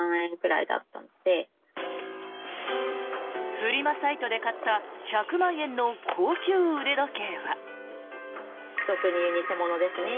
フリマサイトで買った１００万円の高級腕時計は。